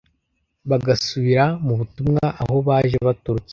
bagasubira mu butumwa aho baje baturutse